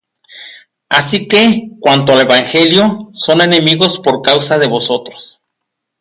Así que, cuanto al evangelio, son enemigos por causa de vosotros: